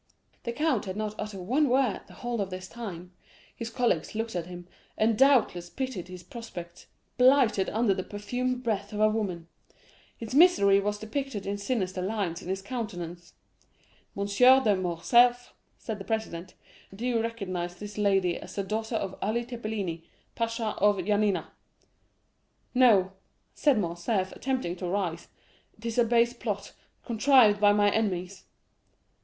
"The count had not uttered one word the whole of this time. His colleagues looked at him, and doubtless pitied his prospects, blighted under the perfumed breath of a woman. His misery was depicted in sinister lines on his countenance. 'M. de Morcerf,' said the president, 'do you recognize this lady as the daughter of Ali Tepelini, pasha of Yanina?'—'No,' said Morcerf, attempting to rise, 'it is a base plot, contrived by my enemies.